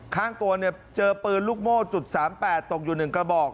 ข้างตัวเนี่ยเจอปืนลูกโม่จุด๓๘ตกอยู่๑กระบอก